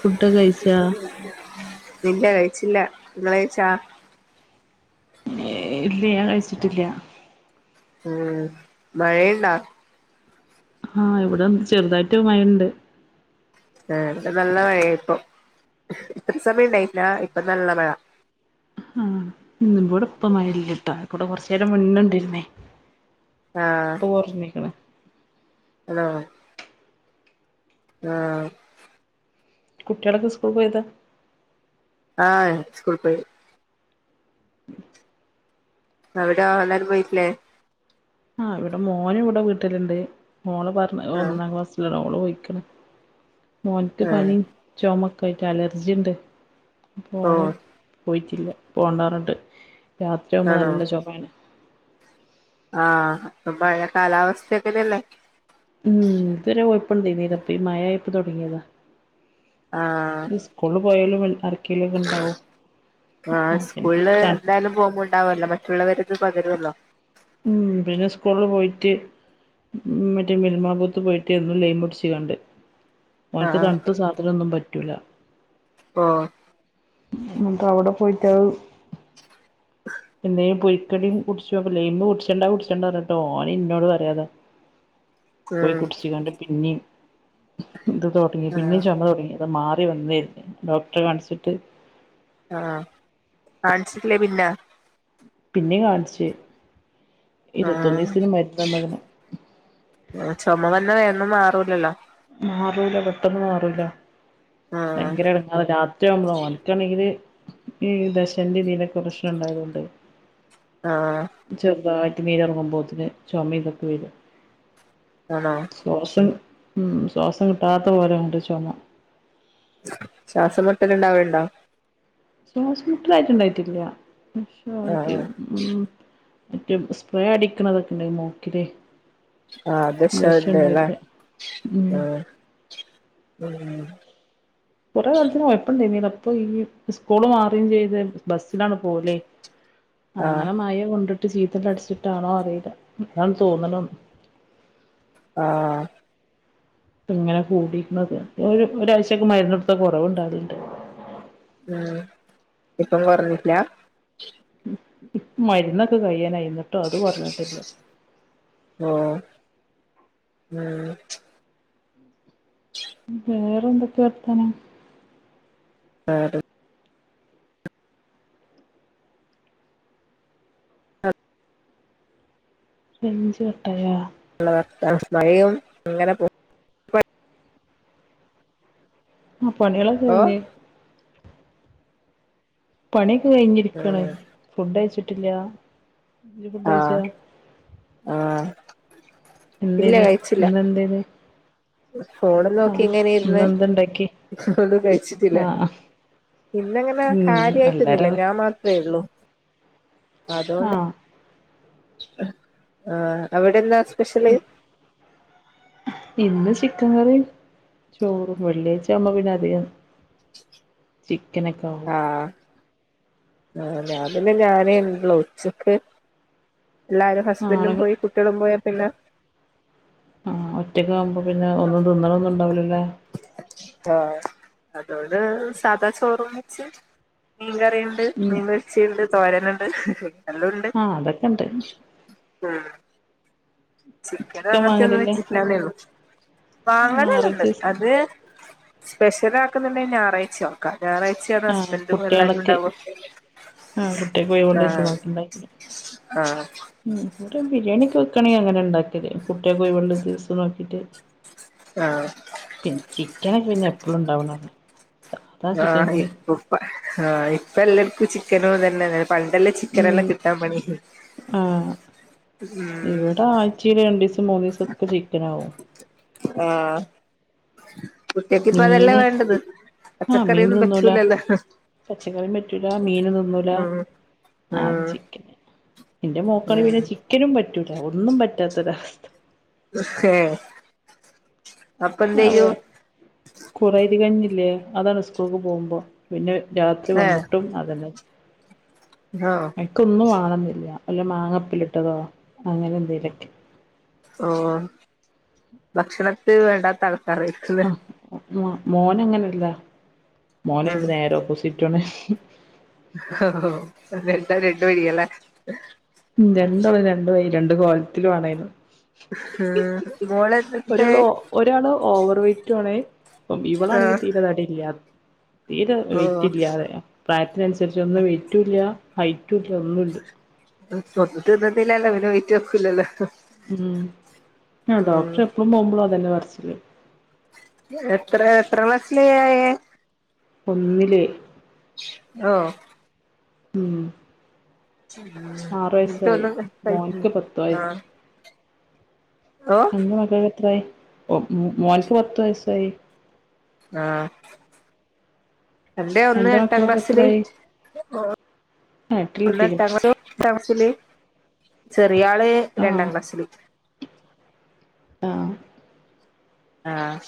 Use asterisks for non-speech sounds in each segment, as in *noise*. Food കഴിച്ചാ ഇല്ല കഴിച്ചില്ല ങ്ങള് കഴിച്ചാ ഏയ്‌ ഇല്ല ഞാൻ കഴിച്ചിട്ടില്ല ഉം മഴയുണ്ടോ? ആഹ് ഇവിടെ ചെറുതായിട്ട് മഴണ്ട് ഇഹ് ഇവിടെ നല്ല മഴയാണിപ്പൊ ഇത്ര സമയം ഉണ്ടായിട്ടില്ല ഇപ്പൊ നല്ല മഴ ഉം ഇവ്ടെ പ്പൊ മയല്ലിട്ടാ ഇയ്കൂടെ കുറച്ചേരം മുന്നേണ്ടായിരുന്നു ആഹ് *unintelligible* ഹലോ ആഹ് കുട്ടികളൊക്കെ സ്കൂളിൽ പോയതാ ആഹ് സ്കൂളിൽ പോയി *inaudible* അവിടാ എല്ലാരും പോയിട്ട് ല്ലേ ആഹ് ഇവിടെ മോന് ഇവിടെ വീട്ടിലുണ്ട് മോന് പറഞ്ഞ ആ ഒന്നാം ക്ലാസ് മോള് പോയിക് ണ് മോൻക്ക് ആ പനീം ചൊമക്കായിട്ട് അലർജിണ്ട് ഓ അപ്പോനും പോയ്റ്റില്ല പോണ്ടാന്ന് പറഞ്ട്ട് രാത്രിയാവുമ്പോ ആണോ നല്ല ചൊമയാണ് ആഹ് അപ്പൊ പഴേ കാലാവസ്ഥൊക്കല്ലേ ഉം ഇതരെ കൊയപ്പണ്ടേർന്നില ഇപ്പൊ ഈ മയായപ്പോ തൊടങ്യെത ആഹ് ഇസ്കൂളിൽ പോയാലും ആർക്കേലും ക്കെണ്ടാവും ആ സ്കൂളില് എന്തായാലും പോവുമ്പോണ്ടാവല്ലോ മറ്റുള്ളവരത് പകരോല്ലോ ഉം പിന്നെ സ്കൂളില് പോയിട്ട് ഉം മറ്റേ മിൽമാബൂത്ത് പോയിട്ട് എന്നും ലൈമൂട്ച്ച്കാണ്ട് ആ ഓൻക്ക് തണുത്ത സാധനൊന്നും പറ്റൂല ഓഹ് *unintelligible* *unintelligible* ലൈമ് കുട്ച്ചെണ്ട കുട്ചെണ്ടാ പറഞ്ട്ട് ഓന് ഇന്നോട് പറയാതെ പോയി ഉം കുട്ച്ച്കാണ്ട് പിന്നിം ത് തൊടങ്ങി ആ പിന്നിം ചുമ തൊടങ്ങി അത് മാറി വന്നർന്നു ഡോക്ടറെ കാണ്ച്ചിട്ട് ആഹ് കാണ്ച്ചിട്ടില്ലേ പിന്ന പിന്നെ കാണ്ച്ച് ആഹ് മരുന്നന്ന്ക്ക്ണ് ചൊമവെന്നാ വേകൊന്നും മാറൂലല്ലോ മാറൂല പെട്ടെന്ന് മാറൂല ആ ഭയങ്കര എടങ്ങേറാ രാത്രിയാവുമ്പോ ഓൻക്കാണെങ്കില് ഇഹ്‌ ദശന്റീതിന്റൊക്കെ പ്രസ്‌നണ്ടായതോണ്ട് ആഹ് ചെറുതായിട് നീര്റങ്ങുമ്പോത്തിന് ച്ചോമിം തൊക്കെ വരും ആണോ ശ്വാസം ഉം ശ്വാസം കിട്ടാത്ത പോലെ ഓന്റെ ചൊമ ശ്വാസം മുട്ടല്ണ്ടാവേല്ണ്ടോ ശ്വാസം മുട്ടലായിട്ടുണ്ടായിട്ടില്ല ആഹ് *unintelligible* ഉം മറ്റേ സ്പ്രേ അടിക്കണതൊക്കെണ്ടോ ഈ മൂക്കില് ആഹ് ദശ ദശന്റെ ല്ലേ ഇണ്ടായിട്ട് ഉം ആഹ് ഉം കുറേ കാലത്തിന് കൊഴപ്പണ്ടായ്ഞ്ഞില്ല ഇപ്പൊ ഈ സ്കൂള് മാറിചെയ്ത് ബസ്സിലാണ് പോലേയ് ആഹ് അങ്ങനെ മഴ കൊണ്ടിട്ട് ചീത്തലടിച്ചിട്ടാണോ അറീല അതാണ് തോന്ന്ണ് ആഹ് ഇങ്ങനെ കൂടിക്ക്ണത് ഒരു ഒരാഴ്ചക്ക് മരുന്നെടുത്ത കൊറവ്ണ്ടാവല്ണ്ട്. ഉം ഇപ്പം കൊറഞ്ഞില്ലാ മരുന്നൊക്കെ കയ്യാനായി ഇന്ന്ട്ടും അത് കൊറഞ്ഞിട്ടില്ല ഓ ഉം വേറെ ന്തൊക്കെ വർത്താനം ആഹ് റൈഞ്ച് കട്ടായാ മഴയും ങ്ങനെ പോ ആ പണ്യാളൊക്ക ഓ കഴ്ഞ്ഞ് പണിയൊക്കെ കഴിഞ്ഞിരിക്കാണ് ഉം ഫുഡഴ്ച്ചിട്ടില്ലാ ആഹ് ആഹ് എന്തേന് ഇന്നെന്തേന് ഫോണ് നോക്കി ഇങ്ങനെ ഇര്ന്ന് എന്തുണ്ടാക്കി ഒന്നും കഴിച്ചിട്ടില്ല ആ ഇന്നങ്ങനെ ഉം കാര്യയിട്ടൊന്നില്ല എല്ലാരും അത് ഞാൻ മാത്രേള്ളൂ ആ അതൊണ്ട് ആഹ് അവിടെന്താ സ്പെഷല് ഇന്ന് ചിക്കൻ കറിം ചോറും വെള്ളിയാഴ്ചബോ പിന്നെ അതികം ചിക്കനോക്കാവും ആഹ് ആഹ് ഞ പിന്നെ ഞാനെ ഒള്ളു ഉച്ചക്ക് എല്ലാരും ഹസ്ബന്റും ആണുങ്ങൾ പോയി കുട്ടി ട്ട്യാളും പോയാ പിന്നെ ആ ഒറ്റക്കാവുമ്പോ പിന്നെ ഒന്നും തിന്നണോന്നുണ്ടാവുല്ലല്ലേലെ ആഹ് അതോണ്ട് സാദാ ചോറും വെച്ച് മീകറിം ഉം മീൻ പൊരിചേണ്ട് തോരന്ണ്ട് എല്ലോണ്ട് ആഹ് അതൊക്കെണ്ട് ഉം ചിക്കനും ചിക്കൻ അങ്ങൻത്തെന്നും വാങ്ങലില്ലേ വെച്ചിട്ടില്ലന്നേള്ളൂ ഞായറാഴ്ച വാങ്ങലല്ലാണ്ട് ദിവസം അത് സ്പെഷ്യലാ ആക്കുന്നുണ്ടെ ഞായറാച്ച ഞാറാഴ്ച്ചെണ് ആഹ് ഹസ്ബൻഡും കുട്ടികളൊക്കെ എല്ലാരുണ്ടാവാ ആഹ് കുട്ടികൾക്ക് ഒഴിവുള്ള ദിവസം ആഹ് നോക്കി ഉണ്ടാക്കില്ല ആഹ് ഉം ഇവിടെ ബിരിയാണിക്കെ വെക്കാണെങ്കി അങ്ങനെ ണ്ടാക്കും കുട്ട്യാക്കോഴിവ്ള്ള ദിവസം നോക്കീട്ട് ആഹ് പിന്നെ ചിക്കൻ ഒക്കെ പിന്നെ എപ്പള്ളുണ്ടാവ്ണല്ലേ ആഹ് ഇപ്പപ്പാ ആഹ് ഇപ്പെലെടത്തും ചിക്കനും തന്നെല്ലേ പണ്ടല്ലേ ഉം ചിക്കനെല്ലാം കിട്ടാൻ പണി ആഹ് ഉം ഇവിടെ ആഴ്ചീല് രണ്ടീസോ മൂനീസൊക്കെ ദിവസം ഒക്കെ ചിക്കനാവും. ആഹ് കുട്ട്യക്ക് ഇപ്പോ അതെല്ലെ മീന് വേണ്ടത് ആഹ് മീൻ പച്ചക്കറിയൊന്നും തിന്നൂല പറ്റൂലല്ലോ പച്ചക്കറിം പറ്റൂലാ മീനും തിന്നൂലാ ഉം ആകെ ഉം ചിക്കന്. എന്റെ മോക്കാണങ്കി ഉം പിന്നെ ചിക്കനും പറ്റൂല ഒന്നും പറ്റാത്തൊരവസ്ഥ ഏഹ് അപ്പന്തേയും കുറ ഇത് കഴിഞ്ഞില്ലേ അതാണ് സ്കൂൾക്ക് പോകുമ്പോ പിന്നെ രാത്രി ഏ വന്നിട്ടും അതന്നെ. ആഹ് നിക്കൊന്നും വാണന്നില്ല വല്ല മാങ്ങപ്പിലിട്ടതോ അങ്ങനെ എന്തേലൊക്കെ. ഓ ഭക്ഷണത്തി വേണ്ടാത്ത ആൾക്കാരായിരിക്കുല്ലേ ആഹ് മോനങ്ങനല്ല ഉം മോനതിന്റെ നേരെ ഓപ്പോസിറ്റു ആണ് ആഹ് ഹോ രണ്ടാ രണ്ട് വഴിയല്ലേ മ് രണ്ടാളും രണ്ടുവഴി രണ്ട് കോലത്തിലും ആണ് ഹം ഒരാള് ഒരാള് ഓവർ വെറ്റ് ആണ് അപ്പം ആ ഇവളാണെങ്കിൽ തീരെ തടിയില്ല തീരെ ഓ വെറ്റ് ഇല്ല അത പ്രായത്തിനനുസരിച്ച് ഒന്നും വെറ്റും ഇല്ല ഹൈറ്റുംല്ല ഒന്നുമല്ല *unintelligible* ഇന്നല്ലല്ലോ പിനെ വേറ്റ വക്കല്ലല്ലോ മ ആ ഡോക്ടറെ എപ്പോഴും പോകുമ്പോളും അതെല്ലാം പറയിൻ എത്ര എത്ര വയസ്സിലായെ? ഒന്നില് ആഹ ഉം ഉ ആറ് എട്ട വയസ്സായി ഒന്നും കഴി മോൻക്ക് പത്ത് വയ ആഹ *unintelligible* മകൾ എത്രായി മോനക്ക് പത്ത് വയസായി ആഹ എന്റെ ഒന്ന് അന്റെ എട്ടാം മക്കളൊക്കെ ക്ലാസ്സില് എത്രായി *unintelligible* ആ എട്ടിലെത്തിക്ക്ണ് ചെറിയ ആള് രണ്ടാം ക്ലാസ്സില് അഹ് അഹ്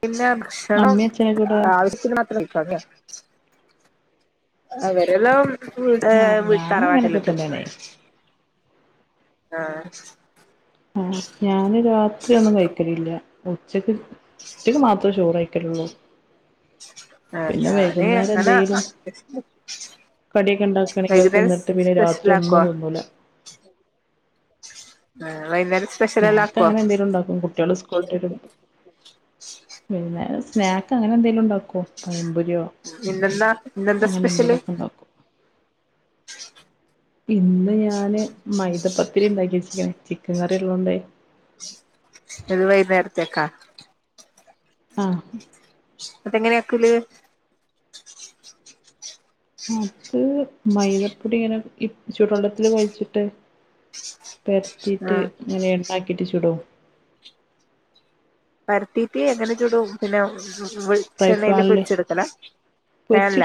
പിന്നെ ഭക്ഷണം അമ്മീം അച്ഛനൊക്കെ എവിടെ ആവശ്യത്തിന് മാത്രം വി അതെ അവരെല്ലോം ഹ് ആഹ് വീ ഞാനങ്ങനൊക്കെ തറവാട്ടിലുണ്ട് തന്നെയാണേ അഹ് അഹ് ഞാന് രാത്രി ഒന്നും കഴിക്കലില്ല ഉച്ചക്ക് ഉച്ചയ്ക്ക് മാത്രേ ച്ചോർ കഴിക്കതുള്ളു അഹ് അത് അങ്ങനെ എന്തെങ്കിലും കടിയൊക്കെ ഉണ്ടാക്കാണെങ്കിൽ അത് തിന്നിട്ട് *unintelligible* പിന്നെ സ്പെഷ്യൽ രാത്രി ആക്കോ ഒന്നും തിന്നൂല ആ വൈകുന്നേരം സ്പെഷ്യൽ എല്ലാം സ്നാക്ക് ആക്കുവോ അങ്ങനെ എന്തെലും ഉണ്ടാക്കും കുട്ടികൾ സ്കു പിന്നെ സ്നാക്ക് അങ്ങനെ എന്തെങ്കലും ഉണ്ടാക്കോ പൈപൊരിയോ ഇന്നെന്താ ഇന്നെന്താ അങ്ങനെ സ്പെഷ്യല് എന്തെലൊക്കെ നോക്കും ഇന്ന് ഞാന് മൈദപ്പത്തിരി ഉണ്ടാക്കി വച്ചിക്കണേ ചിക്കൻ കറി ഉള്ളതൊണ്ടേ ഇത് വൈകുന്നേരത്തേക്കാ അഹ് അതെങ്ങനെയ ആക്കല് അത് മൈദപ്പൊടി ഇങ്ങനെ ചൂടുവെള്ളത്തിൽ കൊഴിച്ചിട്ട് പെരത്തിയിട്ട് ആഹ് ങ്ങനെ ണ്ടാക്കിയിട്ട് ചുടോ? പരത്തീറ്റ് അങ്ങനെ ചുടും പിന്നെ വെ ഫ്രൈ ച്ചെണ്ണയില് പാനില് പൊര്ച്ചെടുക്കലാ വേൻല?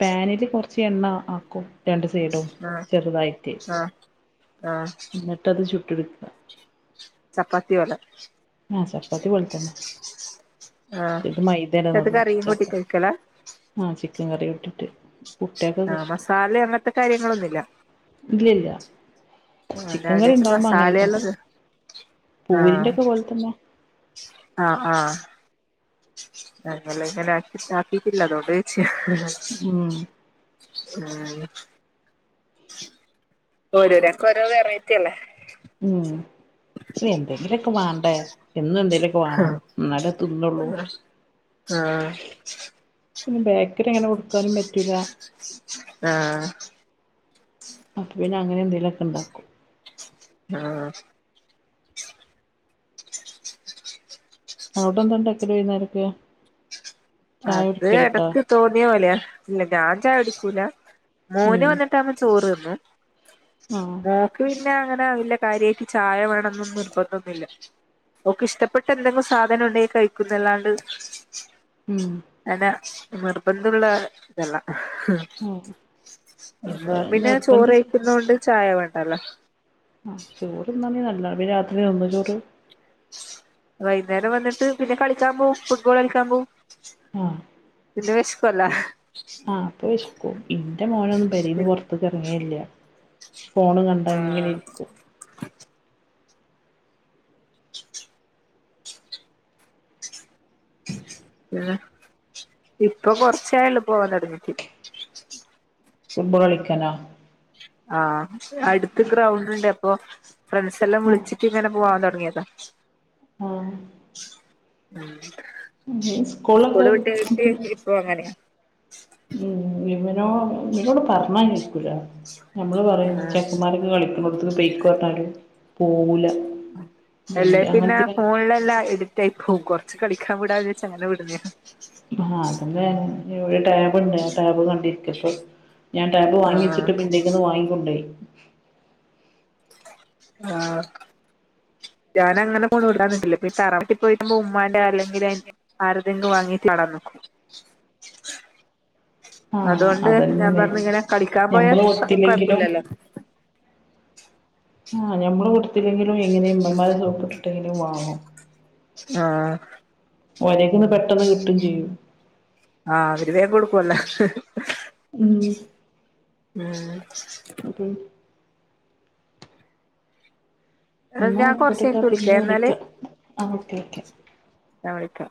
പേനില് കൊർച്ച് എണ്ണ ആക്കും രണ്ട് ടും ആഹ് ചെറുതായിട്ട് ആഹ് ആഹ് എന്നിട്ടത് ചുട്ടട്ക്ക. ചപ്പാത്തി വല ആഹ് ചപ്പാത്തി പോലെ തന്നെ ആഹ് ക്ഷെ ഇത് മൈ തര അത് ന്നുള്ളു കറിയും ചപ്പ കൂട്ടി കഴിക്കലാ ആഹ് ചിക്കൻ കറി കൂട്ടിട്ട്. ആഹ് മസാലേ അങ്ങൻത്തെ കാര്യങ്ങളൊന്നുല്ല. ഇല്ല ഇല്ല രാവിലേക്ക് മസാലേള്ളത് ഉണ്ടാവും പൂരിന്റെ ആഹ്. ഒക്കെ പോലെ തന്നെ ആഹ് ആഹ് ഞങ്ങല്ല ങ്ങനെ ആക്കി ആക്കിട്ടില്ല അതുകൊണ്ടോയ്ച്ച. ഉം ഉം ഓരോര ക്ക ഓരോ വെറൈറ്റി അല്ലേ? ഉം എന്തെങ്കിലുക്കെ വാണ്ടേ എന്നും ന്തെ പ്പോ വാണം ഇന്നാലേ തിന്നൊള്ളൂ. ആഹ് പിന്നെ ബേക്കറി അങ്ങനെ കൊട്ക്കാനും പറ്റൂല. ആഹ് അപ്പ പിന്നെ അങ്ങനെന്തെങ്കിലൊക്കെ ണ്ടാക്കും. ആഹ് അഒടെന്തണ്ടാക്കൽ വൈന്നാരക്കേ? അത് എടക്ക് തോന്നിയ പോലെയ ഇല്ല ഞാൻ ചായൊടിക്കൂല മോന് ഉം വന്നിട്ടാവുമ്പോ ചോറ് തിന്നും. ആഹ് മോക്ക് പിന്നെ അങ്ങനെ വല്ല കാര്യേക്ക് ചായ വേണം എന്നൊന്നും നിർബന്ധന്നുല്ല. ഓക്ക് ഇഷ്ടപ്പെട്ട എന്തെങ്കു സാധനം ഉണ്ടെങ്കി കഴിക്കുന്നല്ലാണ്ട്. ഉം അല്ല നിർബന്ധള്ള ഇതല്ല. ആഹ് ഇവിടെ പിന്നെ നിർബന്ധിച്ച് ചോറ്ഴിക്കുന്നോണ്ട് ചായ വേണ്ടല്ലോ? ആഹ് ചോറ്ന്ന നല്ല പിന്നെ രാത്രി തിന്നോ ചോറ്? വൈന്നേരം വന്ന്ട്ട് പിന്നെ കളിക്കാൻ പോവും ഫുട്ബോൾ കളിക്കാൻ പോവും. ആഹ് പിന്നെ വെഷപ്പല്ലേ? ആഹ് അപ്പ വെഷക്കും ഇന്റെ മോനൊന്നും പെരേന്ന് പൊർത്ത്ക്ക് എറങ്ങേല്യ. ഫോണ് കണ്ട അങ്ങനെ പിന്നെ ഇരിക്കും. *inaudible* ഏഹ് ഇപ്പൊ കൊർച്ചായള്ളു പോവാൻ തൊടങ്ങിട്ട്. ഫുട്ബോൾ കളിക്കനോ? ആഹ് അട്ത്ത് ഗ്രൗണ്ട് ണ്ട് അപ്പൊ ഫ്രണ്ട്സല്ലാം ആഹ് വിള്ച്ച്ട്ട് ഇങ്ങനെ. പോവാ തൊടങ്ങ്യതാ. ആഹ് ഉം സ്കൂളിലൊക്കെ സ്കൂള് വിട്ട് ട്ട് ഇപ്പോ അങ്ങനെയ. ഉം ഇവനോ ഇവനോട് പറഞ്ഞ കേക്കൂല നമ്മള് പറയും ഉം ചെക്കമാരൊക്കെ കളി മുത്ത് ബൈകൊട്ടാല് എല്ലേ ഭയങ്കര പിന്നെ അങ്ങനത്തെ ഫോൺലെല്ലാം എട് *unintelligible* കൊർച്ച് കളിക്കാൻ വിടാന്ന് വെച്ച അങ്ങനെ വിട്ന്നേ. ആഹ് അതന്നെ ഇവിടെ ടേബ് ണ്ട് ആ ടാബ് കണ്ടിരിക്ക പ്പ ഞാൻ ടാബ് ആഹ് വാങ്ങിച്ചിട്ട് പിന്നന്തേക്കന്ന് വാങ്ങിക്കൊണ്ടേയി. ആഹ് ഞാൻ അങ്ങനെ കൊണ്ട് വിടാന്നിട്ടില്ലപ്പ തറട്ടി പോയിട്ടുമ്മാന്റെ അല്ലെങ്കിൽ ആരെതെങ്കിലും വാങ്ങീട്ട് നടടാ നോക്കും *inaudible* ആഹ് അതുകൊണ്ട് ഞാൻ അതന്നനെ പറഞ്ഞു ഇങ്ങനെ കളിക്കാൻ പോയാ ഞമ്മള് കൊടുത്തില്ലെങ്കിലും കൊഴപ്പില്ലല്ലോ ആഹ് ഞമ്മള് കൊടുത്തില്ലെങ്കിലും എങ്ങനെ ഇമ്മമാരെ സോപ്പ് ഇട്ടിട്ടെങ്കിലും വാങ്ങോ ആഹ് ഒരക്കന്ന് പെട്ടെന്ന് കിട്ടും ചെയ്യും ആഹ് അവര് വേഗം കൊടുക്കുവല്ല ഉം ഉം ഉം എന്ന ഞാൻ കൊറച്ച് ആയിക്കോട്ടിട്ടാ കഴിഞ്ഞിട്ട് പിന്നെ വിളിക്കാം എന്നാല് വിളിക്ക ആഹ് ഓക്കെ ഓക്കെ ഞാവിളിക്കാ